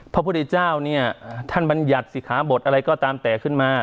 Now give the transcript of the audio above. พระพุทธเจ้าเนี่ยท่านบัญญัติสิขาบทอะไรก็ตามแต่ขึ้นมา